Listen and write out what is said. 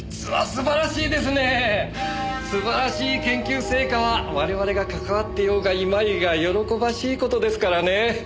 素晴らしい研究成果は我々が関わっていようがいまいが喜ばしい事ですからね。